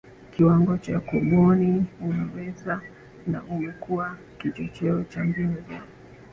kiwango cha kaboni unaweza na umekuwa kichocheo cha mbinu za